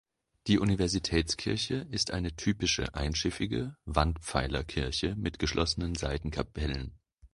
Die Universitätskirche ist eine typische einschiffige Wandpfeilerkirche mit geschlossenen Seitenkapellen.